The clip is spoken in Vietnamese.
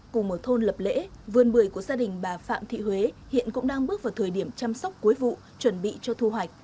cùng ở thôn lập lễ vườn bưởi của gia đình bà phạm thị huế hiện cũng đang bước vào thời điểm chăm sóc cuối vụ chuẩn bị cho thu hoạch